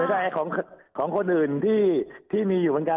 เหมือนกับของคนอื่นที่มีอยู่เหมือนกัน